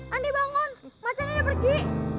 andi bangun macan sudah pergi